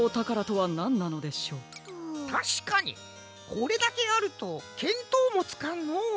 これだけあるとけんとうもつかんのう。